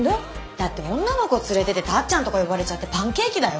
だって女の子連れてて「たっちゃん」とか呼ばれちゃってパンケーキだよ？